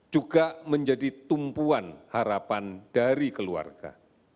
juga menjadi tumpuan harapan dari keluarga